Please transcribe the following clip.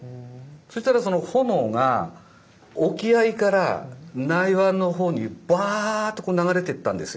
そしたらその炎が沖合から内湾の方にバーッと流れてったんですよ